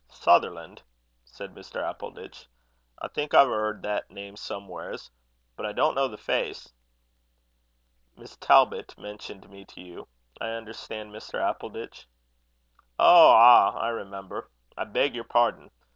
"Sutherland?" said Mr. Appleditch; "I think I've 'eard the name somewheres, but I don't know the face." "Miss Talbot mentioned me to you, I understand, Mr. Appleditch." "Oh! ah! I remember. I beg your pardon.